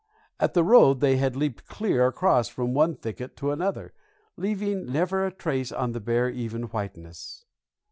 At the road they had leaped clear across from one thicket to another, leaving never a trace on the bare even whiteness.